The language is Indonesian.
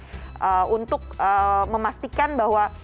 atau untuk memastikan bahwa